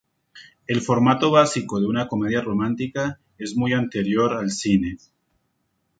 El formato básico de una comedia romántica es muy anterior al cine.